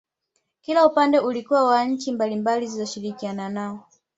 Kila upande ulikuwa na nchi mbalimbali zilizoshirikiana nao